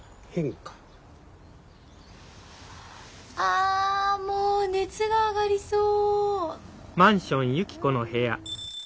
あもう熱が上がりそう。